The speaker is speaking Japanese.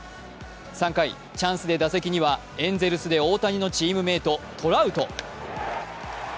３回、チャンスで打席にはエンゼルスで大谷のチームメート・トラウト。